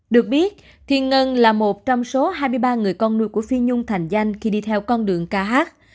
được biết thiên ngân là một trong số hai mươi ba người con nuôi của phi nhung thành danh khi đi theo con đường ca hát